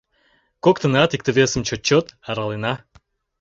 Коктынат икте-весым чот-чот аралена.